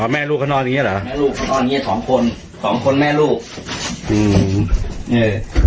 แม่ลูกเขานอนอย่างเงี้เหรอแม่ลูกเขานอนอย่างเงี้สองคนสองคนแม่ลูกอืมนี่เลย